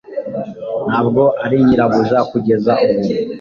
Ntabwo ari nyirabuja kugeza ubu